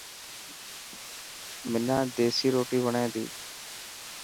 حنان ديسي روٽي وڻي تي.